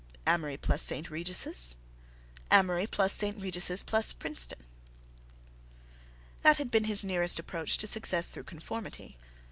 Amory plus St. Regis'. 5. Amory plus St. Regis' plus Princeton. That had been his nearest approach to success through conformity.